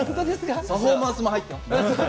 パフォーマンスも入ってました。